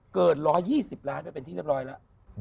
เกิน๑๒๐ล้านไปเป็นที่เรียบร้อยแล้ว